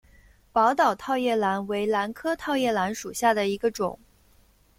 宝岛套叶兰为兰科套叶兰属下的一个种。